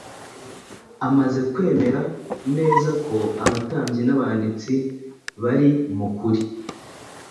Amaze kwemera neza ko abatambyi n’abanditsi bari mu kuri,